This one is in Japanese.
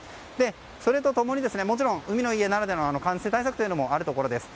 それと共にもちろん海の家ならではの感染対策もあるところです。